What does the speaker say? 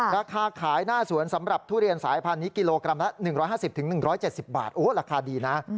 ราคาขายหน้าสวนสำหรับทุเรียนสายพันธุ์นี้กิโลกรัมละ๑๕๐๑๗๐บาทราคาดีนะ